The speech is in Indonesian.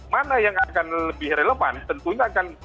mana yang akan lebih relevan tentunya akan